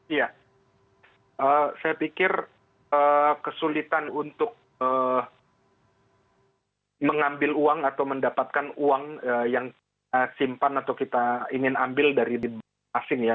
iya saya pikir kesulitan untuk mengambil uang atau mendapatkan uang yang simpan atau kita ingin ambil dari asing ya